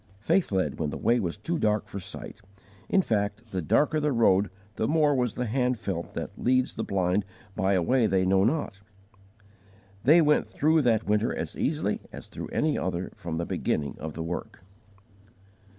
Faith led when the way was too dark for sight; in fact the darker the road the more was the Hand felt that leads the blind by a way they know not. _They went through that winter as easily as through any other from the beginning of the work!